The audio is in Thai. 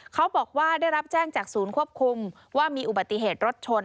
เขาบอกว่าได้รับแจ้งจากศูนย์ควบคุมว่ามีอุบัติเหตุรถชน